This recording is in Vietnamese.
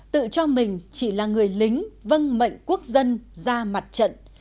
tự cho mình chỉ là người lính vâng mệnh quốc dân ra mặt trận